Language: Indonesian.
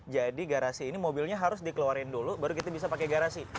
jadi garasi ini mobilnya harus dikeluarin dulu baru kita bisa pakai garasi